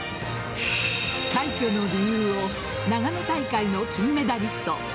快挙の理由を長野大会の金メダリスト